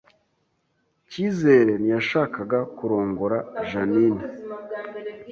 Cyizere ntiyashakaga kurongora Jeaninne